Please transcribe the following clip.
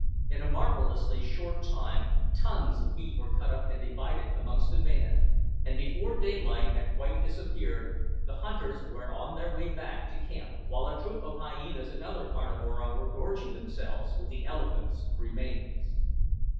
In a marvellously short time tons of meat were cut up and divided amongst the band, and, before daylight had quite disappeared, the hunters were on their way back to camp, while a troop of hyenas and other carnivora were gorging themselves with the elephant's remains.